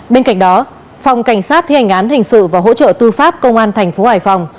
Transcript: bên cạnh đó phòng cảnh sát thi hành án hình sự và hỗ trợ tư pháp công an thành phố hải phòng